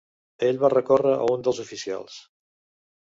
Ell va recórrer a un dels oficials.